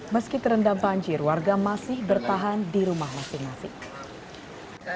meski terendam banjir warga masih bertahan di rumah masing masing